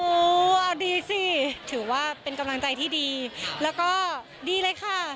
โอ้โหเอาดีสิถือว่าเป็นกำลังใจที่ดีแล้วก็ดีเลยค่ะ